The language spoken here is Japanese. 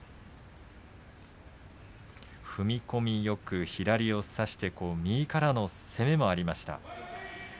踏み込みよく左を差して右からの攻めもありました。